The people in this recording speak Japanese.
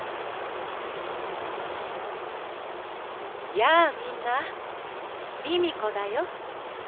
やあみんなミミコだよ。